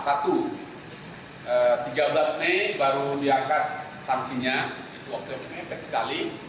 satu tiga belas mei baru diangkat sanksinya itu waktu yang mepet sekali